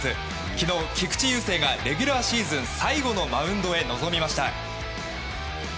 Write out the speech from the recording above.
昨日、菊池雄星がレギュラーシーズン最後のマウンドへ臨みました。